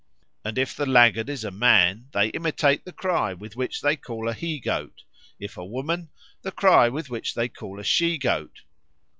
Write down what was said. And if the laggard is a man, they imitate the cry with which they call a he goat; if a woman, the cry with which they call a she goat.